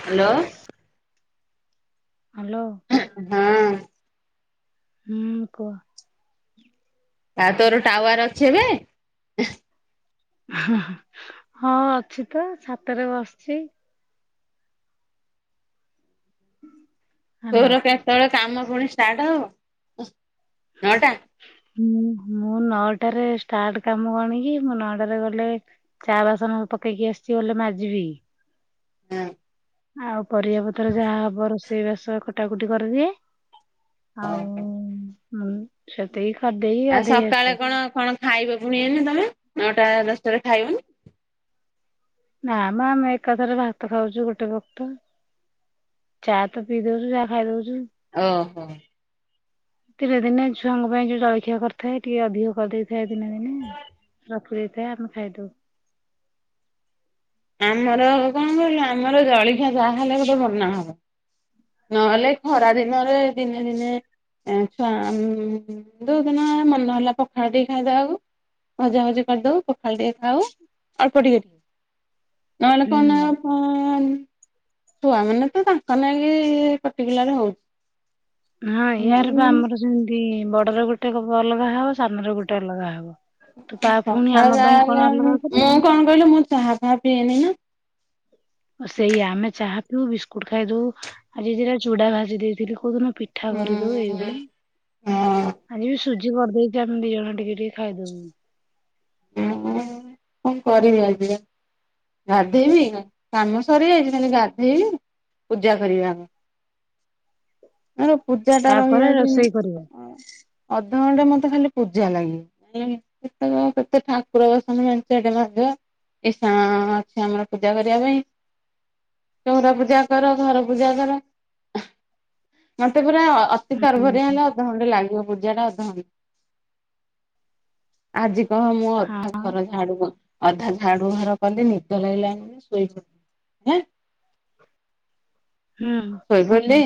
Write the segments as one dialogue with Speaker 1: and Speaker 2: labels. Speaker 1: Hello.
Speaker 2: Hello.
Speaker 1: ହୁଁ।
Speaker 2: ହୁଁ କୁହ?
Speaker 1: ତା ତୋର ଟାୱାର ଅଛି ଏବେ ଏହେ
Speaker 2: ଉଁହୁଁ ହୁଁ ହଁ ଅଛି ତ ଛାତରେ ବସିଚି। ହ୍ୟାଲୋ
Speaker 1: ତୋର କେତେବେଳେ କାମ ପୁଣି ଷ୍ଟାର୍ଟ ହବ ଉଁ।
Speaker 2: ହୁଁ ମୁଁ ନଅଟାରେ ଷ୍ଟ ଷ୍ଟାର୍ଟ କାମ କଣିକି ମୁଁ ନଅଟାରେ ଗଲେ ଚା ବାସନ ପକେଇକି ଆସିଚି ଗଲେ ମାଜବି।
Speaker 1: ହୁଁ।
Speaker 2: ଆଉ ପରିବା ପତର ଯାହା ହବ ରୋଷେଇବାସ କଟାକୁଟି କରିଦିଏ। ଆଉ
Speaker 1: ଓହୋ
Speaker 2: ଉଁ ହୁଁ ସେତିକି କରିଦେଇକି
Speaker 1: ଆଉ
Speaker 2: ଗାଧେଇ
Speaker 1: ସକାଳେ
Speaker 2: ଆସେ
Speaker 1: କଣ କଣ ଖାଇବ ପୁଣି ଏଇନେ ତମେ ନଅଟା ଦଶଟାରେ ଖାଇବନି?
Speaker 2: ନା ମ ଆମେ ଏକାଥରେ ଭାତ ଖାଉଚୁ ଗୋଟେ ବକ୍ତ। ଚା ତ ପିଇ ଦୋଉଚୁ ଯାହା ଖାଇ ଦୋଉଚୁ।
Speaker 1: ଓହୋ।
Speaker 2: ତୀନେ ଦିନେ ଛୁଆଙ୍କ ପାଇଁ ଯୋଉ ଜଳଖିଆ କରିଥାଏ ଟିକେ ଅଧିକ କରିଦେଇଥାଏ ଦିନେ ରଖି ଦେଇଥାଏ ଆମେ ଖାଇଦୋଉ।
Speaker 1: ଆମର କଣ କହିଲ ଆମର ଜଳିଖିଆ ଯାହାହେଲେ ଗୋଟେ ବନା ହବ। ନହେଲେ ଖରା ଦିନରେ ଦିନେ ଦିନେ ଏ ଛୁଆ ଆମ୍ ଯୋଉ ଦିନ ମନ ହେଲା ପଖାଳ ଟିକେ ଖାଇଦବାକୁ ଭଜା ଭଜି କରିଦୋଉ ପଖାଳ ଟିକେ ଖାଉ ଅଳ୍ପ ଟିକେ ଟିକେ। ନହନେ କଣ ନା
Speaker 2: ହୁଁ
Speaker 1: ଫୁନି ଛୁଆ ମାନେ ତ ତାଙ୍କ ନାଗି ପଟିକୁଲାର ହୋଉଚି।
Speaker 2: ହଁ ୟାରେ ପା ଆମର ସେମିତି ବଡର ଗୋଟେ ବ ଅଲଗା ହବ ସାନର ଗୋଟେ ଅଲଗା ହବ। ତୁ
Speaker 1: ଅ
Speaker 2: ପା ପୁଣି ଆମ
Speaker 1: ସଖାଳେ
Speaker 2: ପାଇଁ କଣ
Speaker 1: ଯାହେଲେ
Speaker 2: ଅଲଗା
Speaker 1: ମୁଁ
Speaker 2: କରିବୁ
Speaker 1: କଣ କହିଲ ମୁଁ ଚାହା ଫାହା ପିଏନି ନା।
Speaker 2: ସେଇଆ ଆମେ ଚାହା ପିଉ ବିସ୍କୁଟ ଖାଇଦୋଉ ଆଜି ଦିଟା ଚୁଡା ଭାଜି ଦେଇଥିଲି କୋଉଦିନ ପିଠା
Speaker 1: ହୁଁ
Speaker 2: କରିଦୋଉ
Speaker 1: ହଁ
Speaker 2: ଏଇଭଳିଆ ଆଜିବି ସୁଜି ଜି କରିଦେଇଚି ଆମେ ଦିଇ ଜଣ ଟିକେ ଟିକେ ଖାଇଦୋବୁ।
Speaker 1: ଉୁଁ ହୁଁ କଣ କରିବି ଆଜି ପା ଗାଧେଇବି ନା କାମ ସରି ଯାଇଚି ଖାଲି ଗାଧେଇବି ପୂଜା କରିବି ଆଗ। ମୋ ପୂଜା ଟା
Speaker 2: ତାପରେ
Speaker 1: ରହିଯାଉଚି
Speaker 2: ରୋଷେଇ କରିବ।
Speaker 1: ଆଉ ଅଧଘଣ୍ଟେ ମତେ ଖାଲି ପୂଜା ଲାଗେ [inaudible] କେତବେଳେ ମତେ ଠାକୁର ବାସନ ମେଞ୍ଚା ଟେ ମଧ୍ୟ ଇଷାଣ ଅଛି ଆମର ପୂଜା କରିବା ପାଇଁ। ଚଉଁରା ପୂଜା କର ଘର ପୂଜା କର ଆଁ ମତେ ପୁରା ଅତି ତରଭରିଆ ହେଲେ ଅଧଘଣ୍ଟେ ଲାଗିବ। ପୂଜା ଟା ଅଧଘଣ୍ଟେ। ଆଜି କହ ମୁଁ
Speaker 2: ହଁ
Speaker 1: ଅଧା ଘର ଝାଡୁ କର ଅଧା ଝାଡୁ ଘର କଲି ନିଦ ଲାଗିଲାଣି ଶୋଇ ପଡଲି ହ୍ନେ [inaudible]
Speaker 2: ହୁଁ
Speaker 1: ଶୋଇପଇଲି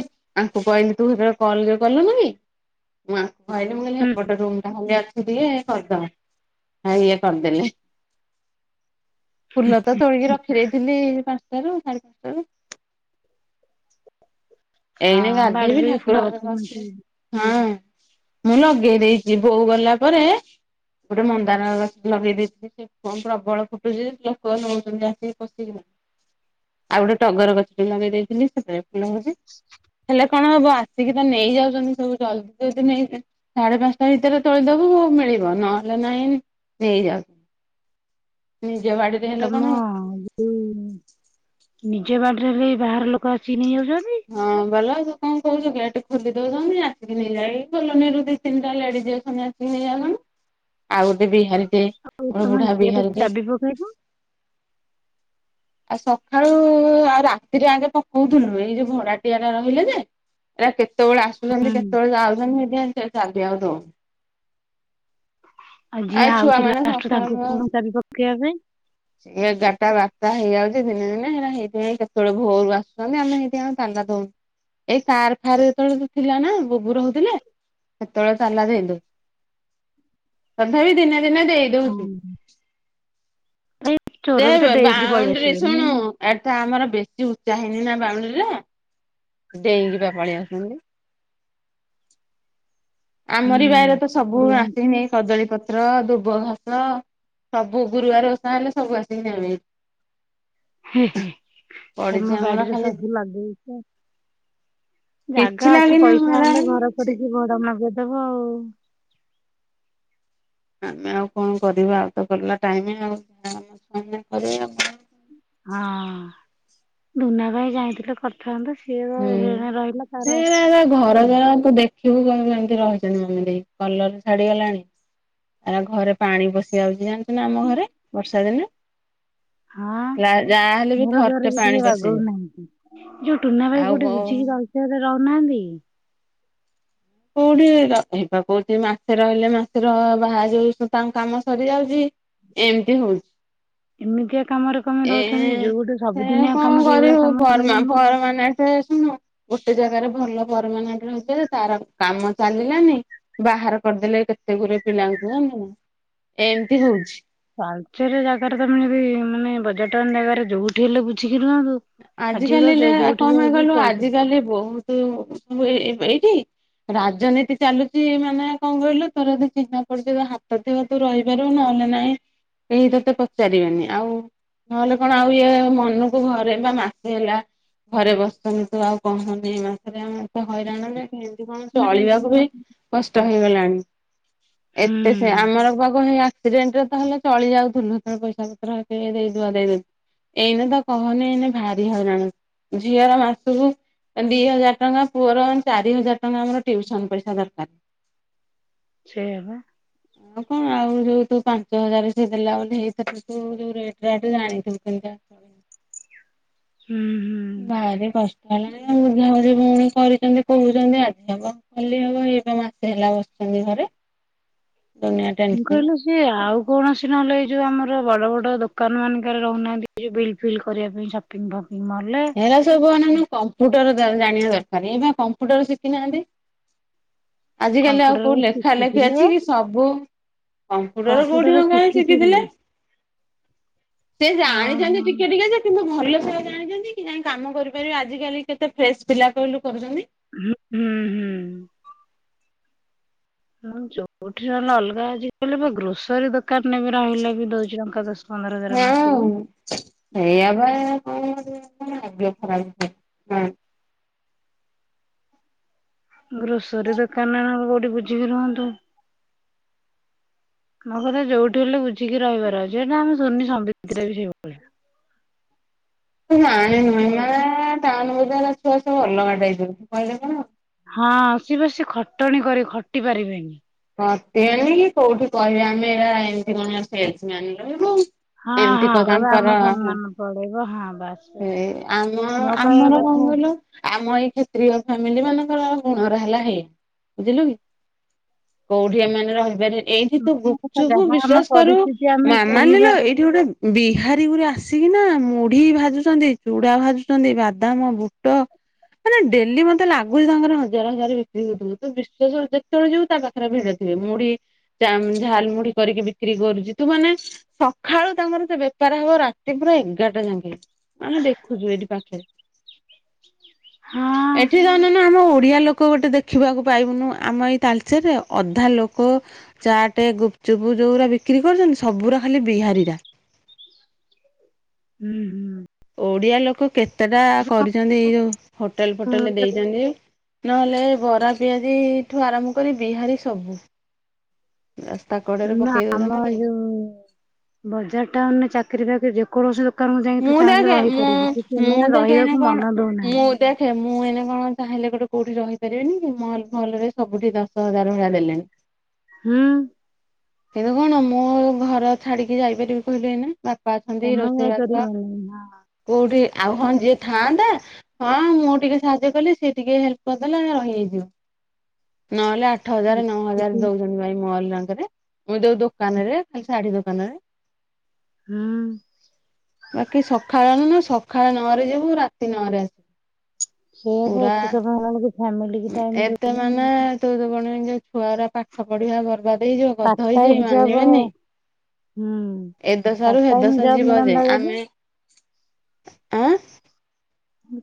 Speaker 1: ଆଙ୍କୁ କହିଲି ତୁ ଯେତଳେ କଲ କଲୁ ନୁ କି ମୁଁ ଆଙ୍କ ମୁଁ କହିଲି ମୁଁ କହିନି
Speaker 2: ହୁଁ
Speaker 1: ଏପଟ ରୁମ ଟା ଖାଲି ଅଛି ଟିକେ କରିଦବ ଇଏ କରିଦେଲେ। ଫୁଲ ତ ତୋଳିକି ରଖି ଦେଇଥିଲି ପାଞ୍ଚଟାରୁ ସାଢେ ପାଞ୍ଚଟାରୁ।
Speaker 2: ହଁ
Speaker 1: ଏଇନେ ଗାଧେଇ ବି
Speaker 2: ବାଡିରେ ଫୁଲ
Speaker 1: ଠାକୁର ଘରେ
Speaker 2: ଗଛ
Speaker 1: ପଶିବି ହଁ। ମୁଁ ଲଗେଇ ଦେଇଚି ବୋଉ ଗଲା ପରେ ଗୋଟେ ମନ୍ଦାର ଗଛ ଲଗେଇ ଦେଇଥିଲି ସେ କଣ ପ୍ରବଳ ଫୁଟୁଚି ଯେ ଲୋକ ନଉଚନ୍ତି ଆସିକି ପଶିକି ଆଉ ଗୋଟେ ଟଗର ଗଛ ବି ଲଗେଇ ଦେଇଥିଲି ସେଥିରେ ଫୁଲ ହଉଚି।
Speaker 2: [unintelligible]
Speaker 1: ହେଲେ କଣ ହବ ଆସିକି ତ ନେଇଯାଉଚନ୍ତି ସବୁ ଜଲଦି ଜଲଦି ନେଇ ସାଢେ ପାଞ୍ଚଟା ଭିତରେ ତୋଳିଦବୁ ମିଳିବ ନହେଲେ ନାହିଁ ନେଇଯାଉ
Speaker 2: ତମ ଯୋଉ ନିଜ ବାଡିରେ ବାହାର ଲୋକ ଆସି ନେଇି ଯାଉଚ
Speaker 1: ହଁ ଭଲ ଆ ତୁ କଣ କହୁଚୁ ଗେଟେ ଖୋଲି ଦଉଚନ୍ତି ଆସିକି ନେଇ ଯାଇ କଲୋନୀ ରୁ ଦିତିନିଟା ଲେଡ଼ିସ ଅଛନ୍ତି ଆସିକି ନେଇଯାଉଚନ୍ତି। ଆଉ ଗୋଟେ ବିହାରୀ ଟେ
Speaker 2: ଆଉ
Speaker 1: ଗୋଟେ
Speaker 2: ତମେ
Speaker 1: ବୁଢା
Speaker 2: ଗେଟ
Speaker 1: ବିହାରୀଟେ
Speaker 2: ଚାବି ପକେଇବ
Speaker 1: ଆଉ ସକାଳୁ ଆଉ ରାତିରେ ଆଗେ ପକଉଥିଲୁ ଏଇ ଯୋଉ ଭଡା ଟିଆ ଟା ରହିଲେ ଯେ ଏରା କେତେବେଳେ ଆସୁଛନ୍ତି
Speaker 2: ହୁଁ।
Speaker 1: କେତେବେଳେ ଯାଉଛନ୍ତି ହେଇତି ପାଇଁ ଚା ଚାବି ଆଉ ଦଉନୁ। [unintelligible]
Speaker 2: ଯିଏ
Speaker 1: ଆଉ
Speaker 2: ଆଉଛି
Speaker 1: ଛୁଆମାନେ
Speaker 2: ଲାଷ୍ଟ ତାଙ୍କୁ
Speaker 1: ସକାଳୁ
Speaker 2: ପୁଣି ଚାବି ପକେଇବା ପାଇଁ
Speaker 1: ଏଗାରଟା ବାରଟା ହେଇଯାଉ ଆଉଚି ଦିନେ ଦିନେ ହେରା ହେଇଥି ପାଇଁ କେତେବେଳେ ଭୋରୁ ଆସୁଛନ୍ତି ଆମେ ହେନ୍ତି ଆମ ତାଲା ଦଉୁ ଏଇ ସାର ଫାର୍ ଯେତେବେଳେ ତ ଥିଲା ନା ବୁବୁ ରହୁଥିଲେ ସେତେବେଳେ ତାଲା ଦେଲୁ ତଥାପି ଦିନେ ଦିନେ ଦେଇ
Speaker 2: ହଁ
Speaker 1: ଦଉଚି
Speaker 2: ଏଇ ଚୋର ବି ତ
Speaker 1: [unintelligible]
Speaker 2: ଡେଇଁକି ପଳେଇ
Speaker 1: ସାଉଣ୍ଡ ରେ
Speaker 2: ଆସିବେ ମୁଁ
Speaker 1: ଶୁଣୁ ଏଠେ ଆମର ବେଶୀ ଉ ଉଚ୍ଚା ହେଇନି ନା ବାଉଣ୍ଡ୍ରି ରେ ଡେଇଁକି ପାଇଁ ପଳେଇ ଆସୁଚନ୍ତି।
Speaker 2: ହୁଁ
Speaker 1: ଆମରି ବାଇରେ ତ ସବୁ ଆସକି
Speaker 2: ଡେଇଁକି
Speaker 1: ନେଇକି କଦଳୀ ପତ୍ର ପତ୍ର ଧୁବ ଘାସ ସବୁ ଗୁରୁବାର ଓଷା ହେଲେ ସବୁ ଆସିକି ନବେ ଏ
Speaker 2: ହେ ହେ ତମ
Speaker 1: ଆମର
Speaker 2: ବାଡିରେ
Speaker 1: ଖାଲି
Speaker 2: ସବୁ ଲଗେଇଚ
Speaker 1: କିଛି
Speaker 2: ଜାଗା ଅଛି
Speaker 1: ଲାଗିନି
Speaker 2: ପଇସା
Speaker 1: ହରା
Speaker 2: ହେଲେ ଘର
Speaker 1: ହେଇଛି
Speaker 2: କରିକି ଭଡା ନଗେଇ ଦେବ ଆଉ
Speaker 1: ଆମେ ଆଉ କଣ କରିବା ଆଉ ତ ଗଲା ଟାଇମ ଆଉ [unintelligible]
Speaker 2: ହଁ ଦୁନା ଭାଇ ଯାଇଥିଲେ କରିଥାନ୍ତେ।
Speaker 1: ହୁଁ ସେଇବା ଘର
Speaker 2: ହଉ
Speaker 1: ଜଣକୁ ଦେ ଖୀବୁ କେମିତି କଣ ଏମିତି ରହିଚନ୍ତି ମିମି ଦେଇ କଲର ଛାଡିଗଲାଣି ଏରା ଘରେ ପାଣି ପଶି ଯାଉଚି ଜାଣିଛୁ ନା ଆମ ଘରେ ବର୍ଷା ଦିନେ।
Speaker 2: ହଁ
Speaker 1: ଯାହାହେଲେ ବି
Speaker 2: ଘର ଦ୍ଵାର
Speaker 1: ଥରଟେ
Speaker 2: ବି
Speaker 1: ପାଣି
Speaker 2: ଟିକେ ବଗୋଉ
Speaker 1: ପଶିଯାଏ
Speaker 2: ନାହାଁନ୍ତି ଯୋଉ ଟୁ ଟୁନା ଭାଇ କୋଉଠି ବୁଝିକି
Speaker 1: ଆଉ
Speaker 2: ତାଳଚେର ରେ ରହୁନାହାନ୍ତି କି?
Speaker 1: କୋଉଠି ରହ ହେଇପା କହୁଛି ମାସେ ରହିଲେ ମାସେ ର ବାହା ଯାଉ ତାଙ୍କ କାମ ସରିଯାଉଚି ଏମତି ହଉଚି
Speaker 2: ଏମିତିଆ କାମରେ କଣ ପାଇଁ
Speaker 1: ଏ
Speaker 2: ରହୁଛନ୍ତି ଯୋଉ ଗୋଟେ
Speaker 1: ସେ
Speaker 2: ସବୁଦିନିଆ କାମ
Speaker 1: କଣ
Speaker 2: ସେଇଭଳିଆ
Speaker 1: କରିବୁ
Speaker 2: କାମରେ
Speaker 1: ପରମା
Speaker 2: ରହୁନାହାନ୍ତି
Speaker 1: ପରମାନେଟ ଏ ଶୁଣୁ ଗୋଟେ ଜାଗାରେ ଭଲ ପରାମନେଟ ରହିଥିଲେ ଯେ ତାର କାମ ଚାଲିଲାନି ବାହାର କରିଦେଲେ କେତେ ଗୁରେ ପିଲାଙ୍କୁ ଜାନିଲୁନା ଏମିତି ହଉଛି
Speaker 2: ପାଞ୍ଚଟା ଜାଗାରେ ତମେ ଯଦି ମାନେ ବଜ଼ାର ଟାଉନ ଜାଗାରେ ଯୋଉଠି ହେଲେ ବୁଝିକି ରୁହନ୍ତୁ।
Speaker 1: ଆଜ
Speaker 2: ଆଜି ତ
Speaker 1: କାଲିଲେ
Speaker 2: ଯୋ- ଯୋଉଠି
Speaker 1: କଣ ପାଇଁ
Speaker 2: ରହିବୁ
Speaker 1: କହିଲୁ
Speaker 2: ପଇସା
Speaker 1: ଆଜିକାଲି ବହୁତ ତ ଏ ଏ ଏ ଏଇଠି ରାଜନୀତି ଚାଲୁଚି ମାନେ କଣ କହିଲୁ ତୋର ଯଦି ଚିହ୍ନା ପରିଚିତ ହାତ ଥିବ ତୁ ରହିପାରିବୁ ନ ନାହଁ କେହି ତତେ ପଚାରିବେନି ଆଉ ନହେଲେ କଣ ଆଉ ଇଏ ମନକୁ ଘର ସେପା ମାସେ ହେଲା ଘରେ ବସିଛନ୍ତି ତୁ ଆଉ କହୁଛନ୍ତି ଏ ମାସରେ ଆମେତ ହଇରାଣ ଯେ କିନ୍ତି କଣ
Speaker 2: ନାଇଁ
Speaker 1: ଚଳିବାକୁ ବି
Speaker 2: ଯା-
Speaker 1: କଷ୍ଟ ହେଇଗଲାଣି। ଏତେ ସେ
Speaker 2: ହୁଁ
Speaker 1: ଆମର ପାଖ ହେଇ ଏକ୍ସିଡେଣ୍ଟରେ ତ ହେଲେ ଚଳି ଯାଉ ଥିଲୁ ସେତେବେଳେ ପଇସା ପତ୍ର ଦେଇଦୁଆ ଦେଇଦଉୁ ଏଇନେ ତ କହନି ଏଇନା ଭାରି ହଇରାଣ ଝିଅର ମାସକୁ ଦି ହଜାର ଟଙ୍କା ପୁଅର ଚାରି ହଜାର ଟଙ୍କା ଆମର ଟିଉସନ ପଇସା ଦରକାର।
Speaker 2: ସେଇଆ ପା।
Speaker 1: ଆଉ କଣ ଆଉ ଯୋଉ ତୁ ପାଞ୍ଚ ହଜାର ସେ ଦେଲା ବୋଲି ବୋଲିଇ ତୁ ଯୋଉରେଟ ରାଟ ଜାଣିଥିବୁ କେମିତିଆ
Speaker 2: ହୁଁ ହୁଁ।
Speaker 1: ଭାରି କଷ୍ଟ ହେଲାଣି ବୁଝା ବୁଝି ଭଉଣୀ କରିଛନ୍ତି କହୁଛନ୍ତି ଆଜି ହବ କାଲି ହବ ଏତ ମାସେ ହେଲା ବସିଛନ୍ତି ଘରେ। ଦୁନିଆ
Speaker 2: ମୁଁ
Speaker 1: ଟେନସନ।
Speaker 2: କହିଲି ସିଏ ଆଉ କୌଣସି ନହଲେ ଏ ଯୋଉ ଆମର ବଡ ବଡ ଦୋକାନ ମାନଙ୍କରେ ରହୁନାହାନ୍ତି ଯଉ ବିଲ୍ ଫିଲ୍ କରିବା ପାଇଁ ସପିଂ ଭ
Speaker 1: ହେରା ସବୁ ଅନଉନୁ କମ୍ପୁ ତୋର ଜାଣିବା ଦରକାର ଏଇବା କମ୍ପୁଟର ଶିଖି ନାହାଁନ୍ତି। ଆଜିକାଲି ଆଉ
Speaker 2: କମ୍ପ୍ୟୁଟର
Speaker 1: କୋଉ ଲେଖା ଲେଖି
Speaker 2: ଶିଖିଥିଲେ
Speaker 1: ଅଛି କି ସବୁ କମ୍ପୁଟର କୋଉଠି ମକାଇଁ ଶିଖିଥିଲେ। ସେ ଜାଣିଛନ୍ତି
Speaker 2: ଓହୋ
Speaker 1: ଟିକେ ଟିକେ ଯେ କିନ୍ତୁ। ଭଲ ସେ ଆଉ ଜାଣିଛନ୍ତି କି ଯାଇ କାମ କରିପାରିବେ ଆଜିକାଲି କେତେ ଫ୍ରେଶ ପିଲା କହିଲୁ କରୁଛନ୍ତି।
Speaker 2: ହୁ ହୁଁ ହୁଁ। ମୁଁ ଯୋଉଠି ରହିଲେ ଅଲଗା ଆଜି କାଲି ଗ୍ରୋସରୀ ଦୋକାନ ରେ ବି ରହିଲେ ବି ଦଉଛି ଟଙ୍କା ଦଶ ପନ୍ଦର ହଜାର ମାସକୁ।
Speaker 1: ହଁ ସେଇଆ ବା କଣ କରିବ। ଭାଗ୍ୟ ଖରାପ ହଁ
Speaker 2: ଗ୍ରୋସରୀ ଦୋକାନ ଆଉ କୋଉଠି ବୁଝିକି ରୁହନ୍ତୁ। ମୋ କଥା ଯୋଉଠି ହେଲେ ବୁଝିକି ରହିବାର ଅଛିଟା ଆମେ ଶୁନି ସମୃତିରେ ବି ସେଇଭଳିଆ।
Speaker 1: ଜାଣିନୁ ନୁହେଁ ଅଁ ଟାଉନୁ ବଜାରଛୁଆ ସବୁ ଅଲଗା ଟାଇପର ତୁ କହିଲେ କଣ ହବ,
Speaker 2: ହଁ ସିଏ ବସି ଖଟଣି କରି ଖଟି ପାରିବେନି।
Speaker 1: ଖଟିବେନି କି କୋଉଠି କହିବେ ଆମେ ଏରା ଏମିତି କଣ ସେଲସ ମ୍ୟାନ ରହିବୁ।
Speaker 2: ହଁ
Speaker 1: ଏମିତି
Speaker 2: ହଁ କହିବେ ଆମ
Speaker 1: କତାଙ୍କର
Speaker 2: ସମ୍ମାନ ପଳେଇବ ହଁ ବାସ୍
Speaker 1: ସେ
Speaker 2: ବାସ୍
Speaker 1: ଆମ
Speaker 2: ମୋ କହିବା
Speaker 1: ଆମର
Speaker 2: କଥା
Speaker 1: କଣ କହିଲୁ ଆମ ଏଇ କ୍ଷତ୍ରୀୟ ଫାମିଲି ମାନଙ୍କର ଗୁଣର ହେଲା ହେ ବୁଝିଲୁ କି? କୋଉଠି ଏମାନେ ରହିପାରିବେ। ଏଇଠି ତୁ
Speaker 2: ମୋ କଥା
Speaker 1: ଗୁପଚୁପୁ
Speaker 2: ଯାହା ଆମ
Speaker 1: ବିଶ୍ଵାସ କରିବୁ
Speaker 2: ପରିସ୍ଥିତି ଆମେ
Speaker 1: ମାମାଲିଲୋ
Speaker 2: ସେଇବା
Speaker 1: ଏଇଠି ଗୋଟେ ବିହାରୀ ଗୁରେ ଆସିକି ନା ମୁ ମୁଢି ଭାଜୁଛନ୍ତି ଚୁଡା ଭାଜୁଛନ୍ତି ବାଦାମ ବୁଟ ମାନେ ଡେଲି ମତେ ଲାଗୁଛି ତାଙ୍କର ହଜାର ହଜାର ବିକ୍ରି ହଉଥିବ ତୁ ବିଶ୍ୱାସ ଯେତେବେଳେ ଯିବୁ ତା ପାଖରେ ଭିଡ ଥିବେ ମୁଢି ଝାଲ ମୁଢି କରିକି ବିକ୍ରି କରୁଚି ତୁ ମାନେ ସକାଳୁ ତାଙ୍କର ତ ବେପାର ହବ ରାତି ପା ଏଗାରଟା ଯାକେ ଆମେ ଦେଖୁଛୁ ଏଇଠି ପାଖରେ।
Speaker 2: ହଁ
Speaker 1: ଏଠି ଧଣନ ଆମ ଓଡିଆ ଲୋକ ଗୋଟେ ଦେଖିବାକୁ ପାଇବୁନୁ ଆମ ଏଇ ତା ସେଠେ ଅଧା ଲୋକ ଚାଟେ ଗୁପଚୁପ୍ ଯଉରା ବିକ୍ରି କରୁଛନ୍ତି ସବୁରା ଖାଲି ବିହାରୀରା।
Speaker 2: ହୁଁ ହୁଁ।
Speaker 1: ଓଡିଆ ଲୋକ କେତେଟା କରିଛନ୍ତି ଏଇ ଯୋଉ ହୋଟେଲ ଫୋଟେଲରେ ଦେଇଛନ୍ତି। ନହେଲେ ଏ ବରା ପିଆଜି ଠୁ ଆରମ୍ଭ କରି ବିହାରୀ ସବୁ। ରାସ୍ତା କଡରେ
Speaker 2: ଶୁଣୁନୁ
Speaker 1: ପକେଇ
Speaker 2: ଆମ ଏ
Speaker 1: ଦଉଛନ୍ତି।
Speaker 2: ଯୋଉ ବଜାର ଟାଉନରେ ଚାକିରୀ ବାକିରି ଯେ କୌଣସି ଦୋ
Speaker 1: ମୁଁ ଦେଖେ ମୁଁ ମୁଁ ଦେଖେ ଏଇନେ
Speaker 2: ରହିବାକୁ ମନ
Speaker 1: କଣ ମୁଁ
Speaker 2: ଦଉନାହାନ୍ତି।
Speaker 1: ଦେଖେ ମୁଁ ଏଇନେ କଣ ଚାହିଁଲେ ଗୋଟେ କୋଉଠି ରହିପାରିବିନିକି ମଲ ଫଲରେ ସବୁଠି ଦଶ ହଜାର ଭଳିଆ ଦେଲେଣି।
Speaker 2: ହୁଁ।
Speaker 1: କିନ୍ତୁ କଣ ମୁଁ ଘର ଛାଡିକି ଯାଇପାରିବି କହିଲି ଏନା, ବାପା ଅଛନ୍ତି,
Speaker 2: ତମେ
Speaker 1: ରୋଷେଇବା
Speaker 2: ଯାଇପାରିବନି ହଁ।
Speaker 1: ଆଉ ହଁ ଯିଏ ଥାଆନ୍ତା, ହଁ ମୁଁ ଟିକେ ସାହାଯ୍ୟ କଲି ସେଏ ଟିକେ ହେଲ୍ପ କରିଦେଲା, ରହି ହେଇଯିବ। ନହେଲେ ଆ ଆଠ ହଜାର, ନଅ ହଜାର
Speaker 2: ଯେତିକି
Speaker 1: ଦଉଛନ୍ତି, ଭାଇ ମଲ ରେ, ଏଇ ଯୋଉ ଦୋକାନରେ ଖାଲି ଶାଢୀ ଦୋକାନରେ
Speaker 2: ହଁ
Speaker 1: ବାକି ସକାଳ ନ, ନା ସକାଳ ନଅରେ ଯିବୁ ରାତି ନଅରେ ଆସିବୁ।
Speaker 2: ସେଇଆ ବା
Speaker 1: ପୁରା,
Speaker 2: ଏତେ ସମୟ ହେଲାବେଳକୁ ଫ୍ୟାମିଲି କି ଟାଇମ
Speaker 1: ଏତେ
Speaker 2: ଦଉନ
Speaker 1: ମାନେ ତୁ ତ [unintelligible] ଛୁଆର ପାଠ ପଢିବା ବର୍ବାଦ।
Speaker 2: ପାର୍ଟ
Speaker 1: [unintelligible]
Speaker 2: ଟାଇମ ଜବ ହୁଁ
Speaker 1: ମାନିବେନି, ଏଦସା
Speaker 2: ପାର୍ଟ
Speaker 1: ରୁ
Speaker 2: ଟାଇମ
Speaker 1: ହେଦସା
Speaker 2: ଜବ
Speaker 1: ଯିବ ଯେ।
Speaker 2: ମିଳନ୍ତା ଯଦି
Speaker 1: ଆମେ [inaudible] ଆଁ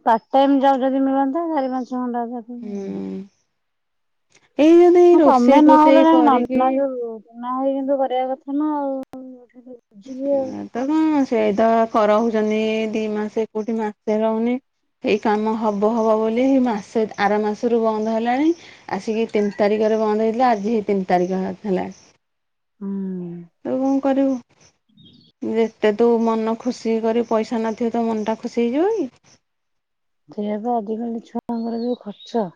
Speaker 2: ପାଟାଇମ୍ ଜବ୍ ଯଦି ମିଳନ୍ତା, ଚାରି ପାଞ୍ଚ ଘଣ୍ଟା
Speaker 1: ହୁଁ [inaudible]
Speaker 2: ହଁ ତମେ
Speaker 1: ରୋଷେଇ ଫୋଷେଇ
Speaker 2: ନହେଲେ ନାଇଁ
Speaker 1: କରିକି
Speaker 2: ନନା ଯୋଉ ନନା ହେଇ [unintelligible] କରିବା କଥା ନା ଆଉ। ବୁଝିବି ଆଉ
Speaker 1: [unintelligible] ସେଇତ ରହୁଛନ୍ତି ଦି ମାସେ, କୋଉଠି ମାସେ ରହୁନି। ଏଇ କାମ ହବ ହବ ବୋଲି ମାସେ ଆର ମାସରୁ ବନ୍ଦ ହେଲାଣି, ଆସିକି ତିନି ତାରିଖ ବନ୍ଦ ହେଇଥିଲା, ଆଜି ହେଇ ତିନି ତାରିଖ ହେଲାଣି।
Speaker 2: ହୁଁ।
Speaker 1: ତୁ କଣ କରିବୁ ଯେ ଯେ ତୁ ମନ ଖୁସି କରି ପଇସା ନଥିବ, ତ ମନଟା ଖୁସି ହେଇଯିବ କି?
Speaker 2: ସେୟା ପା, ଆଜିକାଲି ଛୁଆଙ୍କର ଯୋଉ ଖର୍ଚ୍ଚ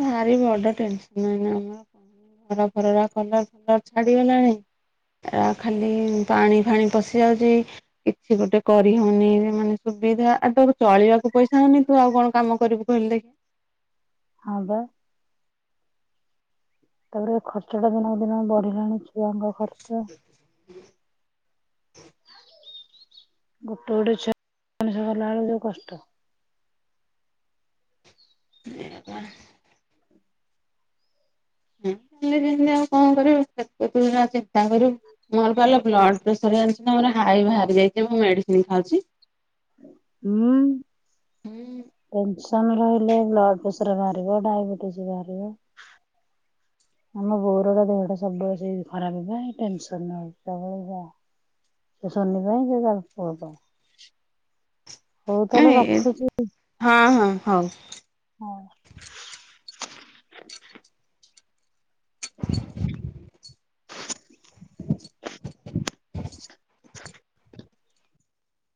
Speaker 1: ଭାରି ବଡ ଟେନ୍ସନ୍ ଏଇନା ଆମର ଘର ଫରରା କଲର ଫଲର ଛାଡିଗଲାଣି। ଏରା ଖାଲି ପାଣି ଫାଣି ପଶି ଯାଉଛି, କିଛି ଗୋଟେ କରିହଉନି। ମାନେ ତୁ ସୁବିଧା ଆଉ ତୋର ଚଳିବାକୁ ପଇସା ହଉନି, ତୁ ଆଉ କଣ କାମ କରିବୁ କହିଲି ଦେଖ୍
Speaker 2: ହଁ ବା। ତାପରେ ଖର୍ଚ୍ଚ ଟା ଦିନକୁ ଦିନ ବଢିଲାଣି ଛୁଆଙ୍କ ଖର୍ଚ୍ଚ [inaudible] ଗୋଟେ ଗୋଟେ ଛୁଆ [unintelligible] ମଣିଷ କଲାବେଳୁ ଯୋଉ କଷ୍ଟ।
Speaker 1: [unintelligible] ଯେମିତି ଆଉ କଣ କରିବୁ, କେତେ ତୁ ହେରା ଚିନ୍ତା କରିବୁ ମୋର ପାଲୋ ବ୍ଲଡ ପ୍ରେସର ଜାଣିଛ ନା ମୋର ହାଇ ବାହାରି ଯାଇଛି, ମୁଁ ମେଡିସିନ ଖାଉଛି।
Speaker 2: ହୁଁ
Speaker 1: ହୁଁ
Speaker 2: [unintelligible] ରହିଲେ ବ୍ଲଡ ପ୍ରେସର ବାହାରିବ, ଡାଇବେଟିସ ବାହାରିବ।
Speaker 1: [inaudible]
Speaker 2: ଆମ ବୋଉର ତ ଦେହଟା ସବୁବେଳେ ସେଇ ଖରାପ ପାଇଁ ଟେନ୍ସନ୍ [unintelligible] ସେ ଶନି ପାଇଁ [unintelligible] ହଉ
Speaker 1: [unintelligible]
Speaker 2: ତାହେଲେ ରଖୁଛି।
Speaker 1: ହଁ ହଁ ହଉ।
Speaker 2: ହଁ [inaudible] [inaudible] [inaudible]